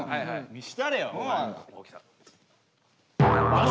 見したれよ！